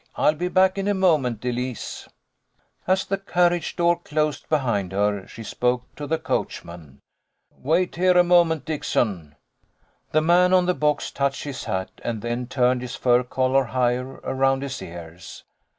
I'll be back in a moment, Elise." As the carriage door closed behind her she spoke to the coachman. " Wait here a moment, Dickson." The man on the box touched his hat and then turned his fur collar higher around his ears.